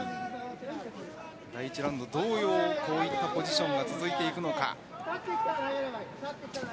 第１ラウンド同様こういったポジションが続いていくのか。